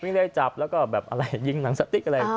เลยจับแล้วก็แบบอะไรยิงหนังสติ๊กอะไร